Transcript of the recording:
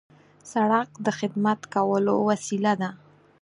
سړک د خدمت کولو وسیله ده.